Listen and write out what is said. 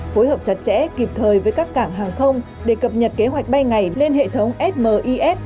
phối hợp chặt chẽ kịp thời với các cảng hàng không để cập nhật kế hoạch bay ngày lên hệ thống smis